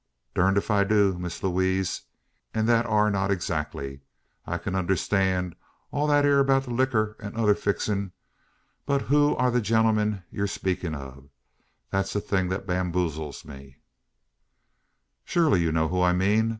"Durned if I do, Miss Lewaze; that air, not adzackly. I kin unnerstan' all thet ere 'bout the licker' an other fixins. But who air the young gen'leman yur speakin' o'? Thet's the thing as bamboozles me." "Surely you know who I mean!